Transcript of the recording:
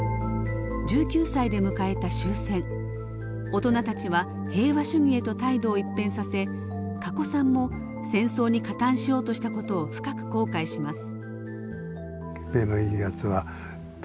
大人たちは平和主義へと態度を一変させかこさんも戦争に加担しようとした事を深く後悔します。